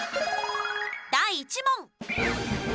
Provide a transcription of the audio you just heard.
第１問！